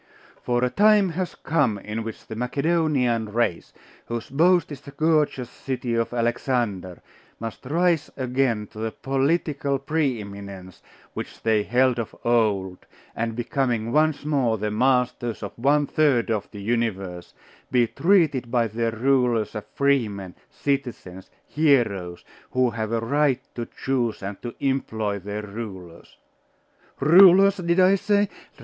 For a time has come in which the Macedonian race, whose boast is the gorgeous city of Alexander, must rise again to the political pre eminence which they held of old, and becoming once more the masters of one third of the universe, be treated by their rulers as freemen, citizens, heroes, who have a right to choose and to employ their rulers Rulers, did I say?